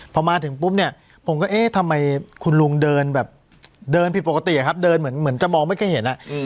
พอมาถึงปุ๊บเนี่ยผมก็เอ๊ะทำไมคุณลุงเดินแบบเดินผิดปกติครับเดินเหมือนจะมองไม่ค่อยเห็น